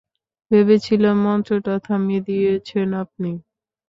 ভেবেছিলাম, মন্ত্রটা থামিয়ে দিয়েছেন আপনি।